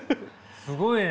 すごいね。